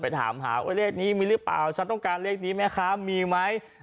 ไปถามหาเลขนี้มีรึเปล่าฉันต้องการเลขนี้ไหมคะมีไหม